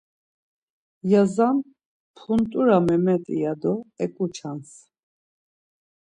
Yazan, Punt̆ura Memeti ya do eǩunç̌ars.